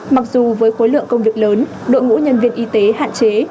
mặc dù với khối lượng công việc lớn đội ngũ nhân viên y tế hạn chế